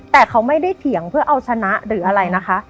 แต่เขาไม่ได้เถียงเพื่อเอาชนะหรืออะไรนะคะ